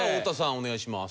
お願いします。